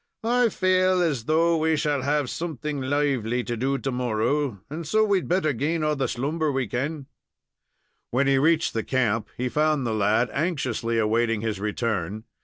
I faal as though we shall have something lively to do to morrow, and so we'd better gain all the slumber we kin." When he reached the camp, he found the lad anxiously awaiting his return.